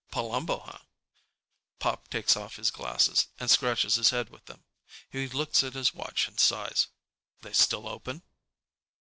"Palumbo, huhn?" Pop takes off his glasses and scratches his head with them. He looks at his watch and sighs. "They still open?"